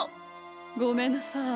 ごめんなさい。